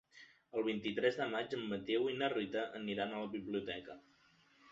El vint-i-tres de maig en Mateu i na Rita aniran a la biblioteca.